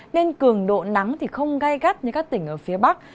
nên cường độ nắng không gai gắt như các tỉnh phía bắc